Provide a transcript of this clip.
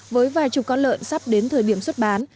với vài chục con lợn sắp đến thời điểm xuất bán